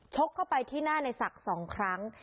ชกเข้าไปที่หน้าในศักดิ์๒ครั้ง